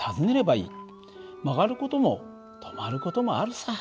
曲がる事も止まる事もあるさ。